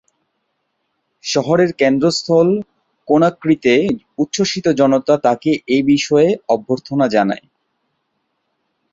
শহরের কেন্দ্রস্থল কোনাক্রি-তে উচ্ছ্বসিত জনতা তাকে এ বিষয়ে অভ্যর্থনা জানায়।